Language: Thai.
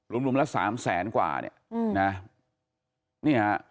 รวมรวมละสามแสนกว่าเนี่ยนะนี่ฮะ